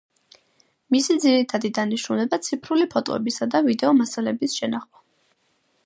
მისი ძირითადი დანიშნულება ციფრული ფოტოებისა და ვიდეო მასალების შენახვა.